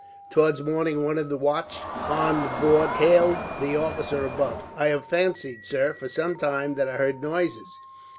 Towards morning, one of the watch on board hailed the officer above: "I have fancied, sir, for some time, that I heard noises.